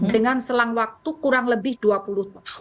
dengan selang waktu kurang lebih dua puluh tahun